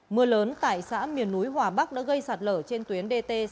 mưa lớn tại xã miền núi hòa bắc đã gây sạt lở trên tuyến dt sáu trăm linh một